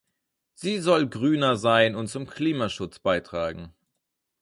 Sie soll grüner sein und zum Klimaschutz beitragen.